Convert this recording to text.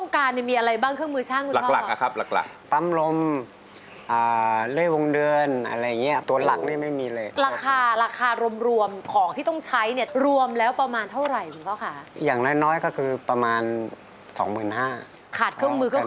ขาดเครื่องมือก็คือขาดอาชีพเลยนะคุณ่งพ่อ